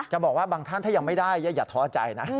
บอกว่าบางท่านถ้ายังไม่ได้อย่าท้อใจนะ